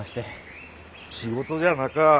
仕事じゃなか。